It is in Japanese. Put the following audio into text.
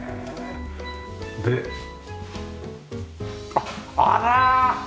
あっあら！